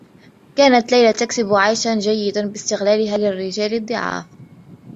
كانت ليلى تكسب عيشا جيّدا باستغلالها للرّجال الضّعاف.